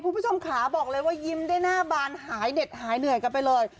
คุณผู้ชมขาบอกเลยว่ายิ้มได้หน้าบานหายเด็ดหายเหนื่อยกันไปเลย